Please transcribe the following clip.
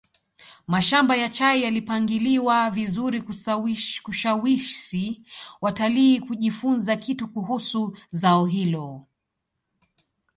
mashamba ya chai yalipangiliwa vizuri kushawishi watalii kujifunza kitu kuhusu zao hilo